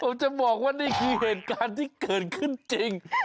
ผมจะบอกว่านี่คือเหตุการณ์ที่เกิดขึ้นจริง